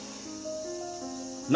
何？